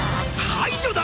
排除だ！